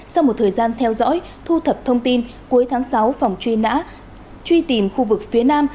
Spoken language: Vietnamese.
sau một thời gian theo dõi thu thập thông tin cuối tháng sáu phòng truy nã truy tìm khu vực phía nam